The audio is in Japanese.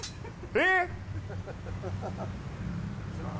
えっ？